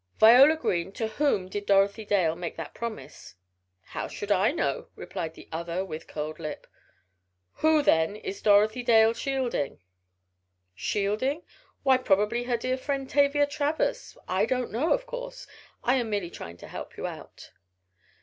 Viola Green, to whom did Dorothy Dale make that promise?" "How should I know?" replied the other with curled lip. "Who, then, is Dorothy Dale shielding?" "Shielding? Why, probably her dear friend, Tavia Travers. I don't know, of course. I am merely trying to help you out!"